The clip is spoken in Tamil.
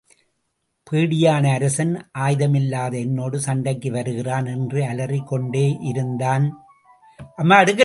பேடியான அரசன் ஆயுதமில்லாத என்னோடு சண்டைக்கு வருகிறான் என்று அலறிக் கொண்டேயிருந்தான்.